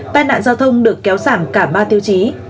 tai nạn giao thông được kéo giảm cả ba tiêu chí